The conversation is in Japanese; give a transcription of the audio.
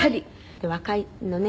で若いのね。